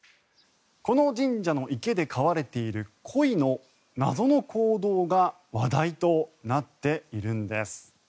この神社の池で飼われているコイの謎の行動が話題となっているんです。